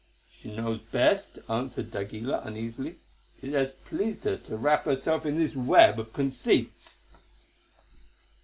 "She knows best," answered d'Aguilar uneasily. "It has pleased her to wrap herself in this web of conceits."